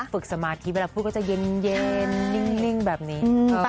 สมาธิเวลาพูดก็จะเย็นนิ่งแบบนี้